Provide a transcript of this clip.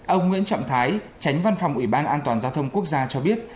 ông nguyễn trọng thái tránh văn phòng ủy ban an toàn giao thông quốc gia cho biết